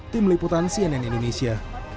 tim liputan cnn indonesia